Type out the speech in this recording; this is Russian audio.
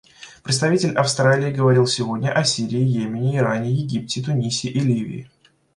Представитель Австралии говорил сегодня о Сирии, Йемене, Иране, Египте, Тунисе и Ливии.